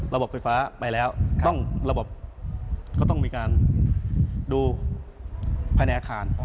ระบบไฟฟ้าไปแล้วก็ต้องมีการดูภายในอาคาร